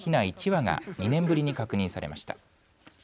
１羽が２年ぶりに確認されました。